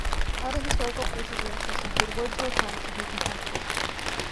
Other historical places of interest include Wordsworth House and Hayton Castle.